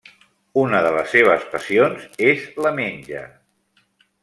Una de les seves passions és la menja.